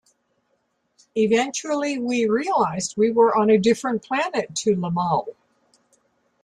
Eventually, we realised we were on a different planet to Limahl.